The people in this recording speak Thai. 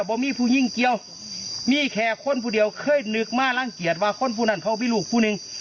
บอกมีผู้ยิ่งเกี่ยวมีแค่คนผู้เดียวเคยนึกมารังเกียจว่าคนผู้นั้นเขามีลูกผู้หนึ่ง